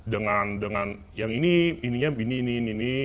dengan dengan yang ini ini ini ini ini ini